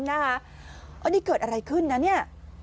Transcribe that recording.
นี่เกิดอะไรขึ้นน่ะนี่